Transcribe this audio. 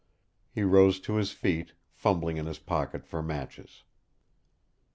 He rose to his feet, fumbling in his pocket for matches.